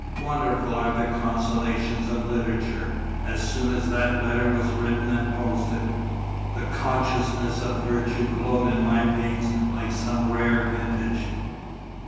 Wonderful are the consolations of literature! As soon as that letter was written and posted, the consciousness of virtue glowed in my veins like some rare vintage.